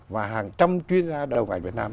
và hàng trăm chuyên gia đầu ngành việt nam